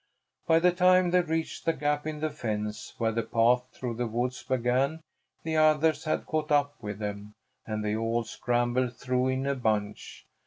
By the time they reached the gap in the fence where the path through the woods began, the others had caught up with them, and they all scrambled through in a bunch.